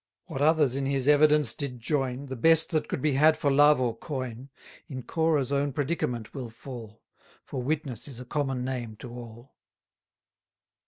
What others in his evidence did join, The best that could be had for love or coin, In Corah's own predicament will fall: 680 For witness is a common name to all.